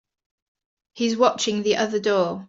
He's watching the other door.